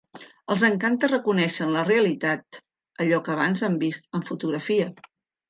Els encanta reconèixer en la realitat allò que abans han vist en fotografia.